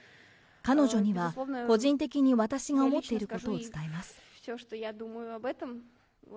彼女には、個人的に私が思っていることを伝えます。